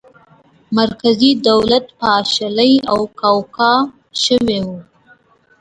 مرکزي دولت پاشلی او کاواکه شوی و.